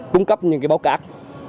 cung cấp những cái báo cát